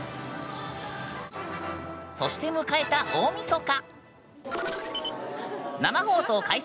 そして迎えた大みそか。